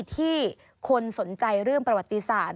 ที่คนสนใจเรื่องประวัติศาสตร์